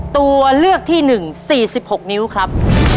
ตัวเลือกที่๑๔๖นิ้วครับ